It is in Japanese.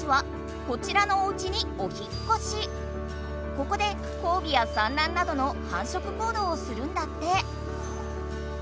ここで交尾や産卵などのはんしょく行動をするんだって。